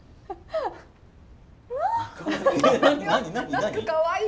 何かかわいい。